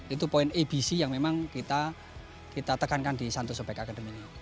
itu poin abc yang memang kita tekankan di santos opec academy ini